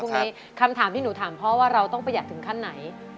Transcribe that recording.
พวกข้าวอะไรพวกนี้คำถามที่หนูถามพ่อว่าเราต้องประหยัดถึงขั้นไหน